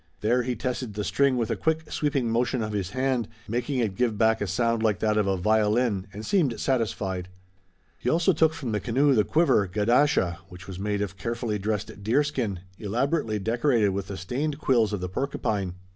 There he tested the string with a quick sweeping motion of his hand, making it give back a sound like that of a violin, and seemed satisfied. He also took from the canoe the quiver, gadasha, which was made of carefully dressed deerskin, elaborately decorated with the stained quills of the porcupine.